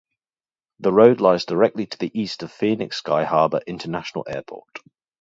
The road lies directly to the east of Phoenix Sky Harbor International Airport.